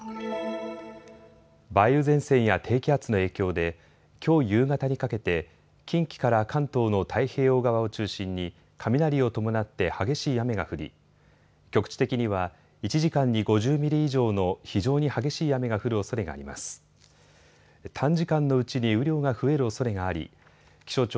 梅雨前線や低気圧の影響できょう夕方にかけて近畿から関東の太平洋側を中心に雷を伴って激しい雨が降り局地的には１時間に５０ミリ以上の非常に激しい雨が降るおそれがあります。